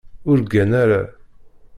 Ur ggan ara.